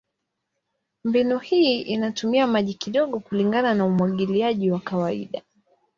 Mbinu hii inatumia maji kidogo kulingana na umwagiliaji wa kawaida.